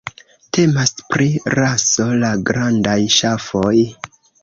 Temas pri raso de grandaj ŝafoj.